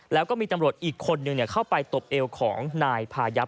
แล้วก็มีตำรวจอีกคนนึงเข้าไปตบเอวของนายพายับ